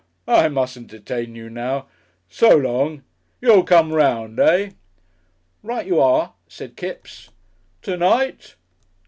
I mustn't detain you now. So long. You'll come 'round, eh?" "Right you are," said Kipps. "To night?"